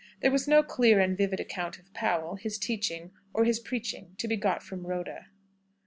There was no clear and vivid account of Powell, his teaching, or his preaching, to be got from Rhoda.